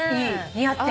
似合ってる。